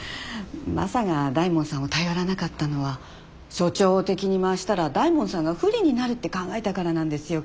マサが大門さんを頼らなかったのは署長を敵に回したら大門さんが不利になるって考えたからなんですよ